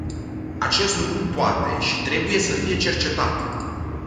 Acest lucru poate și trebuie să fie cercetat.